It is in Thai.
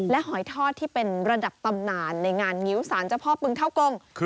หอยทอดที่เป็นระดับตำนานในงานงิ้วสารเจ้าพ่อปึงเท่ากง